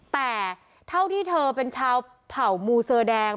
แต่เท่าที่เธอเป็นชาวเผ่ามูเซอร์แดง